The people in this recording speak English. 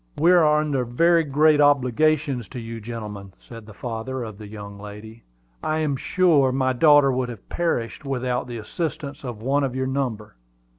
"We are under very great obligations to you, gentlemen," said the father of the fair young lady. "I am sure my daughter would have perished without the assistance of one of your number."